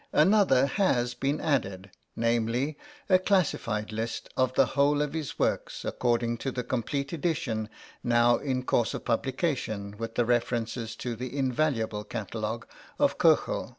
Another has been added: namely, a classified list of the whole of his works, according to the complete edition now in course of publication, with the references to the invaluable Catalogue of Köchel.